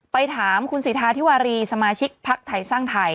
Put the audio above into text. ไปถามคุณสิทธาธิวารีสมาชิกพักไทยสร้างไทย